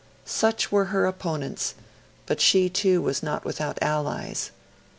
Such were her opponents; but she too was not without allies.